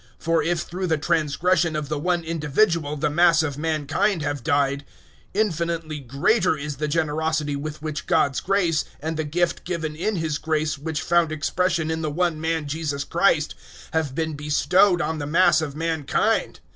For if through the transgression of the one individual the mass of mankind have died, infinitely greater is the generosity with which God's grace, and the gift given in His grace which found expression in the one man Jesus Christ, have been bestowed on the mass of mankind.